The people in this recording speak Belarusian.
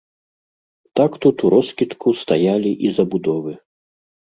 Так тут уроскідку стаялі і забудовы.